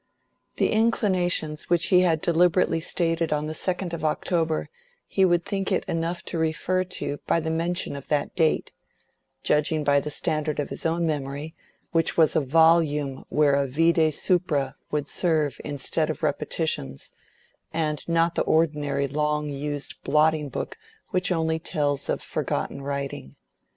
The inclinations which he had deliberately stated on the 2d of October he would think it enough to refer to by the mention of that date; judging by the standard of his own memory, which was a volume where a vide supra could serve instead of repetitions, and not the ordinary long used blotting book which only tells of forgotten writing.